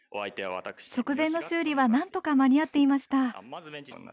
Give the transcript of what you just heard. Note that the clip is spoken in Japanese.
直前の修理はなんとか間に合っていました。